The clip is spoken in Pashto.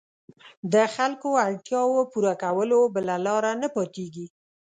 د خلکو اړتیاوو پوره کولو بله لاره نه پاتېږي.